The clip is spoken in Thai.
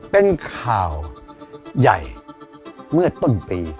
เป็นข่าวใหญ่เมื่อต้นปี